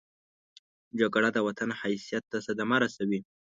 جګړه د وطن حیثیت ته صدمه رسوي